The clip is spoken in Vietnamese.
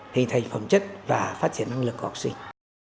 hình thành phẩm chất và phát triển năng lực của học sinh